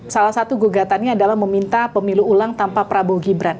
salah satu gugatannya adalah meminta pemilu ulang tanpa prabowo gibran